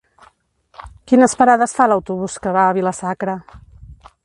Quines parades fa l'autobús que va a Vila-sacra?